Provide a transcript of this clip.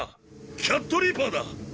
キャットリーパーだ！